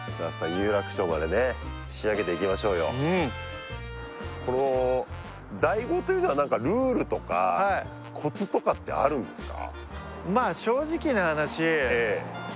有楽町までね仕上げていきましょうよこのＤＡＩ語というのは何かルールとかコツとかってあるんですか？